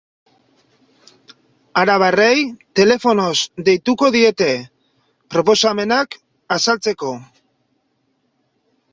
Arabarrei telefonoz deituko diete, proposamenak azaltzeko.